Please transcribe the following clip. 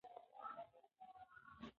افراز شوی هورمون خپګان کموي.